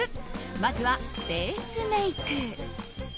まずはベースメイク。